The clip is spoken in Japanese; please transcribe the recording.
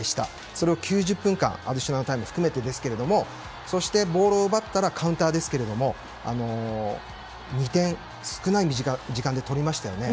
それを９０分間アディショナルタイムを含めてそしてボールを奪ったらカウンターですけど２点を少ない時間で取りましたよね。